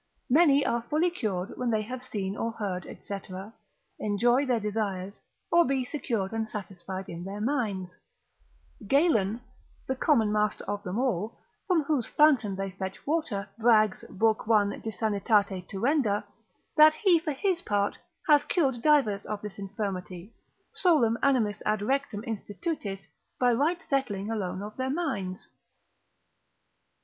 Many are fully cured when they have seen or heard, &c., enjoy their desires, or be secured and satisfied in their minds; Galen, the common master of them all, from whose fountain they fetch water, brags, lib. 1. de san. tuend., that he, for his part, hath cured divers of this infirmity, solum animis ad rectum institutis, by right settling alone of their minds.